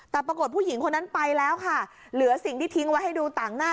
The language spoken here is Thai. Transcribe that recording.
แต่ปรากฏผู้หญิงคนนั้นไปแล้วค่ะเหลือสิ่งที่ทิ้งไว้ให้ดูต่างหน้า